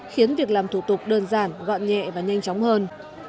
khiến việc làm thủ tục đơn giản gọn nhẹ và nhanh chóng hơn